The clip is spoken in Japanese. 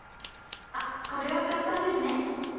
あっこれは簡単ですね。